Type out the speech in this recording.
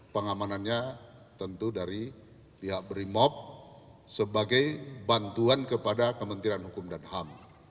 pengamanannya tentu dari pihak brimop sebagai bantuan kepada kementerian hukum dan ham